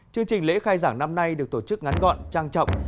chương trình lễ khai giảng năm nay được tổ chức ngắn gọn trang trọng